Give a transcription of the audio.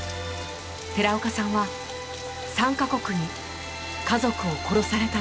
寺岡さんは３カ国に家族を殺されたのです。